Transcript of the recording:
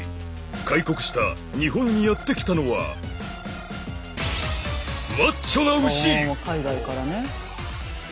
開国した日本にやって来たのは海外からね。